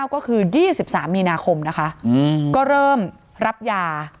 ก็คือ๒๓มีนาคมนะคะก็เริ่มรับยา